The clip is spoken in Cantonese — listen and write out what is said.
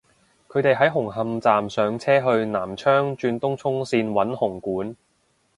佢哋喺紅磡站上車去南昌轉東涌綫搵紅館